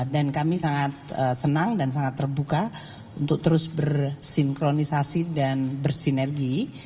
dan kami sangat senang dan sangat terbuka untuk terus bersinkronisasi dan bersinergi